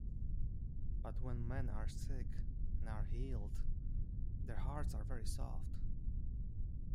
But when men are sick and are healed their hearts are very soft.